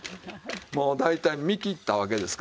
もう大体見切ったわけですから。